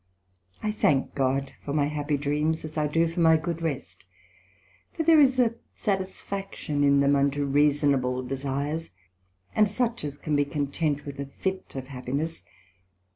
I thank God for my happy dreams, as I do for my good rest, for there is a satisfaction in them unto reasonable desires, and such as can be content with a fit of happiness.